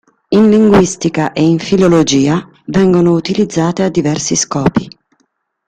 In linguistica e in filologia vengono utilizzate a diversi scopi.